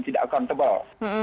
tidak akon tebal